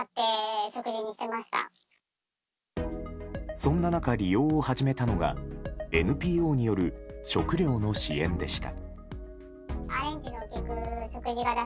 そんな中、利用を始めたのがＮＰＯによる食料の支援でした。